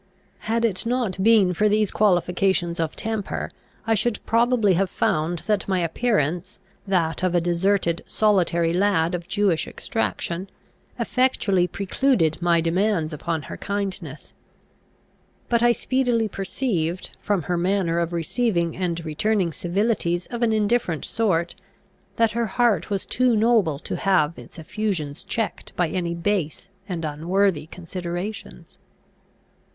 Had it not been for these qualifications of temper, I should probably have found that my appearance, that of a deserted, solitary lad, of Jewish extraction, effectually precluded my demands upon her kindness. But I speedily perceived, from her manner of receiving and returning civilities of an indifferent sort, that her heart was too noble to have its effusions checked by any base and unworthy considerations.